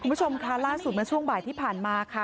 คุณผู้ชมค่ะล่าสุดเมื่อช่วงบ่ายที่ผ่านมาค่ะ